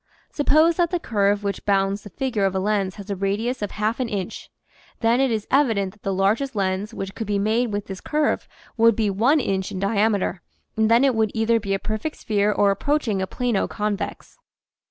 Suppose that the curve which bounds the figure of a lens has a radius of half an inch; then it is evident that the largest lens which could be made with this curve would be one inch in diameter and then it would either be a perfect sphere or approaching a plano convex.